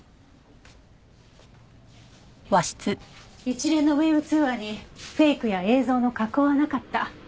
一連のＷｅｂ通話にフェイクや映像の加工はなかった。